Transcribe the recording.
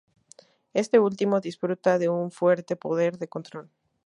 Este último disfruta de un fuerte poder de control.